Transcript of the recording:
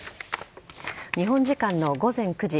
日本時間の午前９時。